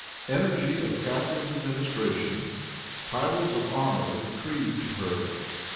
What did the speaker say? Energy of Catharine's Administration. Titles of Honor Decreed to Her.